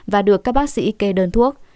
và được các bác sĩ kê đơn thuốc